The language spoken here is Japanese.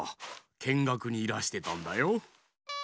けんがくにいらしてたんだよ。